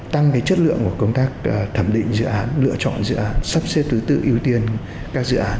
tăng chất lượng của công tác thẩm định dự án lựa chọn dự án sắp xếp thứ tự ưu tiên các dự án